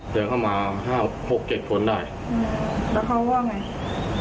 เดินเข้ามาห้าหกเจ็ดคนได้อืมแล้วเขาว่าไง